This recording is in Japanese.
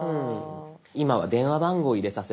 今は電話番号を入れさせられますね。